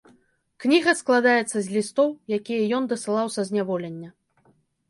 Кніга складаецца з лістоў, якія ён дасылаў са зняволення.